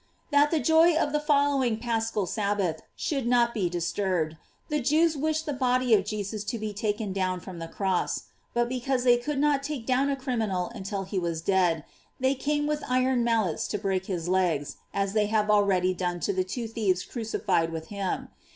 That the joy of the following Paschal Sabbath should not be disturbed, the Jews wished the body of Jesus to be taken down from the cross; but because they could not take down a criminal until he was dead, they came with iron mallets to break his legs, as they had already done to the two thieves crucified with him.